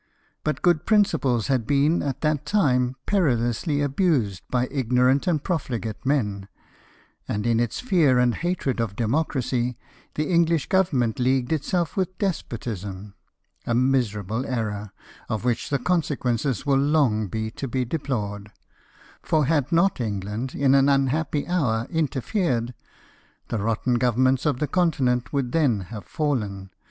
But good prin ciples had been at that time perilously abused by ignorant and profligate men ; and in its fear and hatred of democracy, the English Government leagued itself with despotism — a miserable error, of which the consequences will long be to be deplored : for had not England, in an unhappy hour, interfered, the rotten governments of the Continent would then have fallen; ORDERED TO THE MEDITERRANEAN.